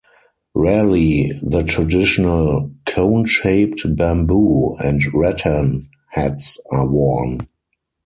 Rarely, the traditional cone-shaped bamboo and rattan hats are worn.